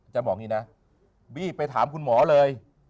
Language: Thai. จะบอกอย่างนี้นะบี้ไปถามคุณหมอเลย